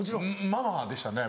「ママ」でしたね